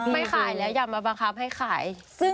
ไม่ขายแล้วอย่ามาบังคับให้ขาย